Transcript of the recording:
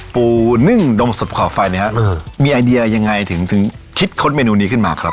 ปูนึ่งดมศพขอบไฟเนี่ยฮะมีไอเดียยังไงถึงถึงคิดค้นเมนูนี้ขึ้นมาครับ